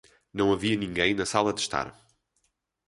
Não havia ninguém na sala de estar.